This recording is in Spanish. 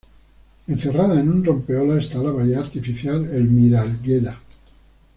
Encerrada en un rompeolas esta la bahía artificial El Mira-El Gedda.